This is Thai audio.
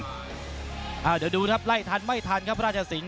เดี๋ยวดูครับไล่ทันไม่ทันครับราชสิงห